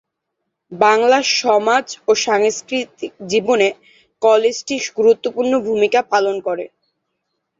বাংলার সমাজ ও সাংস্কৃতিক জীবনে কলেজটি গুরুত্বপূর্ণ ভূমিকা পালন করে।